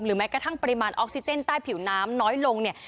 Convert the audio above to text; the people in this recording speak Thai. แม้กระทั่งปริมาณออกซิเจนใต้ผิวน้ำน้อยลงเนี่ย